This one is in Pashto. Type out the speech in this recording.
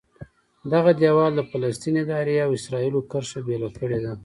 دغه دیوال د فلسطیني ادارې او اسرایلو کرښه بېله کړې ده.